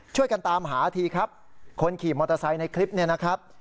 ช่วยกันตามหาทีครับคนขี่มอเตอร์ไซค์ในคลิปเนี่ยนะครับ